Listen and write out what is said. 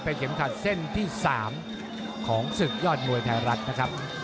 เป็นเข็มขัดเส้นที่๓ของศึกยอดมวยไทยรัฐนะครับ